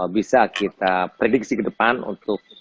bisa kita prediksi kedepan untuk